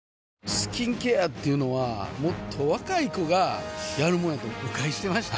スキンケアっていうのはもっと若い子がやるもんやと誤解してました